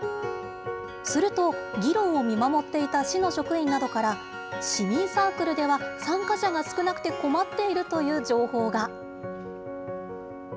すると、議論を見守っていた市の職員などから、市民サークルでは、参加者が少なくて困っているという情報が。